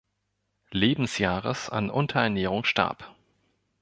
Lebensjahres, an Unterernährung starb.